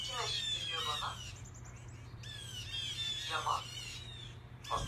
Emirates yasitisha safari za ndege Nigeria